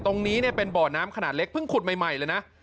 ตรงนี้เป็นบ่อน้ำขนาดเล็กเพิ่งขุดใหม่เลยนะ